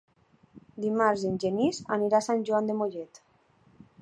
Dimarts en Genís anirà a Sant Joan de Mollet.